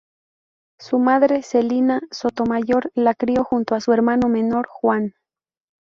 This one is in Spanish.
Su madre, Celina Sotomayor la crio junto a su hermano menor, Juan.